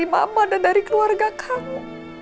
mama dan dari keluarga kamu